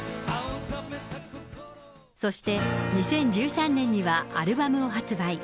そして、２０１３年にはアルバムを発売。